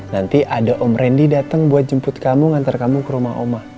nanti ada om rendy dateng buat jemput kamu nganter kamu ke rumah oma